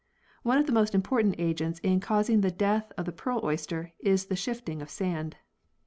One of the most important agents in causing the death of the pearl oysters is the shifting of sand.